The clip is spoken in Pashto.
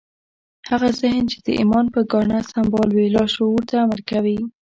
هغه ذهن چې د ايمان په ګاڼه سمبال وي لاشعور ته امر کوي.